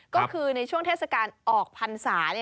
ก็คือในช่วงเทศกาลออกพรรษา